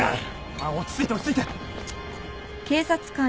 まあ落ち着いて落ち着いて。